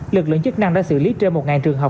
lực lượng chức năng đã xử lý trên một trường hợp